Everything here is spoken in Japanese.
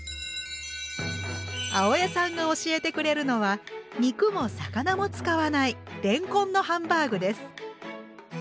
青江さんが教えてくれるのは肉も魚も使わないれんこんのハンバーグです。